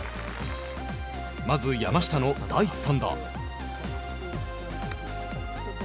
まず、山下の第３打。